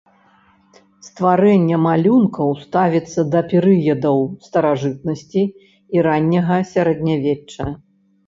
Стварэнне малюнкаў ставіцца да перыядаў старажытнасці і ранняга сярэднявечча.